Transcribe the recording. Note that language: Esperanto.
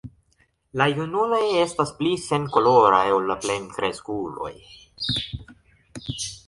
La junuloj estas pli senkoloraj ol la plenkreskuloj.